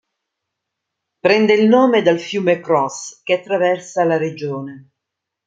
Prende il nome dal fiume Cross che attraversa la regione.